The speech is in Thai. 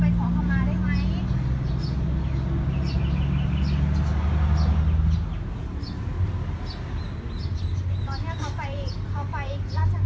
เดี๋ยวไปเอาถู้เป็นเทียนก่อน